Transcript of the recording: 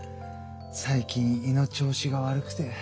最近胃の調子が悪くて。